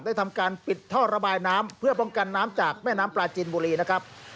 ทำการปิดท่อระบายน้ำเพื่อป้องกันน้ำจากแม่น้ำปลาจินบุรีนะครับ